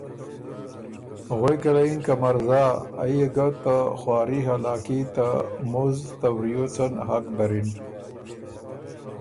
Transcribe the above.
غوېکه له یِن که مرزا! ائ يې ګه ته خواري هلاکي ته مُزد ته وریوڅن حق دَرِن۔